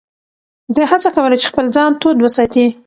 ده هڅه کوله چې خپل ځان تود وساتي.